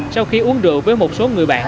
sau khi uống rượu với một số người bạn